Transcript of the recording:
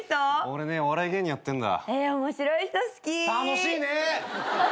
俺お笑い芸人やってんだ。